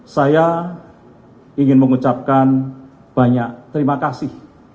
saya ingin mengucapkan banyak terima kasih